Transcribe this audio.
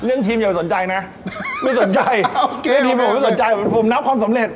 เนื่องทีมอย่าไปสนใจนะไม่สนใจไม่สนใจผมนับความสำเร็จ